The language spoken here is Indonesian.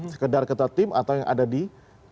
sekedar ketua tim atau yang ada di